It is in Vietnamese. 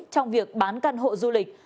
trong việc bán căn hộ du lịch